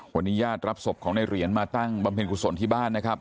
วันนี้ญาติรับศพของในเหรียญมาตั้งบำเพ็ญกุศลที่บ้านนะครับ